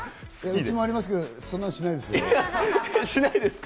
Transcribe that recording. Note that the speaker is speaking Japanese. うちもありますけど、そんなんしないですよ。